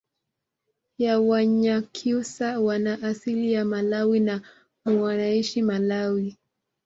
ya wanyakyusa wana asili ya malawi na wnaishi malawi